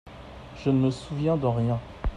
Je ne me souviens de rien.